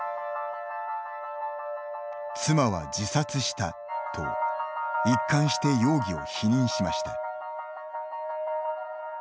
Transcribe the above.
妻は自殺したと一貫して容疑を否認しました。